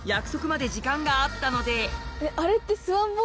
あれって。